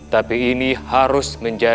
tapi ini harus menjelaskan